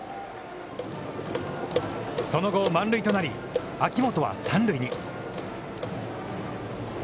その後、満塁となり秋元は三塁に。